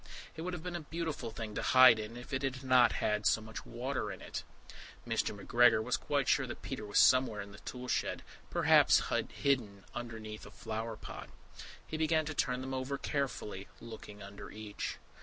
It would have been a beautiful thing to hide in, if it had not had so much water in it. Mr. McGregor was quite sure that Peter was somewhere in the toolshed, perhaps hidden underneath a flower pot. He began to turn them over carefully, looking under each.